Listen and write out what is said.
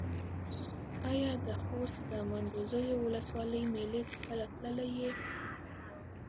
ایا د خوست د منډوزیو ولسوالۍ مېلې ته کله تللی یې؟